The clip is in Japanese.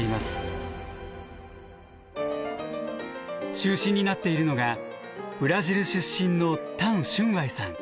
中心になっているのがブラジル出身の譚俊偉さん。